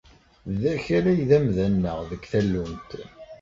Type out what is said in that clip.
D Akal ay d amda-nneɣ deg tallunt.